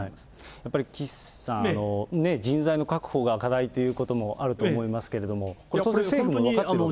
やっぱり岸さん、人材の確保が課題ということもあると思いますけれども、当然政府も分かっている。